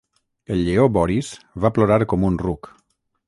El lleó Boris va plorar com un ruc.